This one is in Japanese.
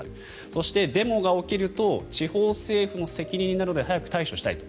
そして、デモが起きると地方政府の責任になるので早く対処したいと。